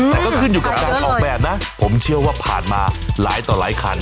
อืมหืมใช้เยอะเลยผมเชื่อว่าผ่านมาหลายต่อหลายคัน